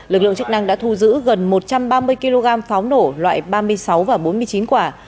lực lượng chức năng đã thu giữ gần một trăm ba mươi kg pháo nổ loại ba mươi sáu và bốn mươi chín quả